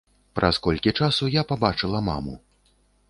Праз колькі часу я пабачыла маму.